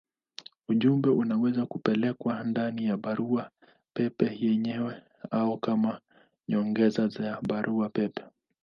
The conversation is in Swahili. Ujumbe unaweza kupelekwa ndani ya barua pepe yenyewe au kama nyongeza ya barua pepe.